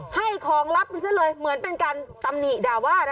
ให้ของลับมันซะเลยเหมือนเป็นการตำหนิด่าว่านะ